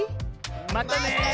またね！